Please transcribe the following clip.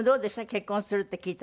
結婚するって聞いた時。